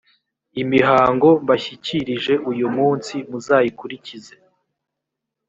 imihango mbashyikirije uyu munsi muzayikurikize.